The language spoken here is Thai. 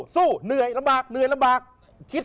สู้เนื่อยลำบาก